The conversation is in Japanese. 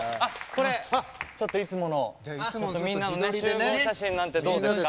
これちょっといつものみんなの集合写真なんてどうですか？